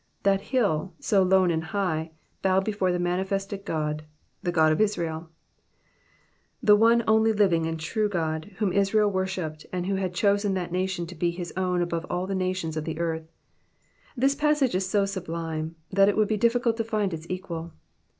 That hill, so lone and high, bowed before the manifested God. ^^The God of IsraeV^ The one only living and true God, whom Israel worshipped, and who bad chosen that nation to be his own above all the nations of the earth. This passage is so sublime, that it would bo difficult to find its equal.